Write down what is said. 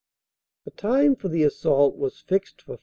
"The time for the assault was fixed for 5.